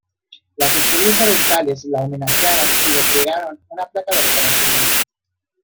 Las Estrellas Orientales la homenajearon y le entregaron una placa de reconocimiento.